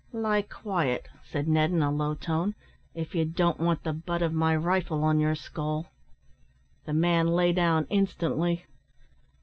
"Lie quiet," said Ned, in a low tone, "if you don't want the butt of my rifle on your skull." The man lay down instantly.